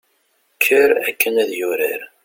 kker akken ad yurar